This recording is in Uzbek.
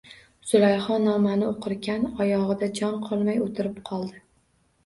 Zulayho nomani o`qirkan, oyog`ida jon qolmay o`tirib qoldi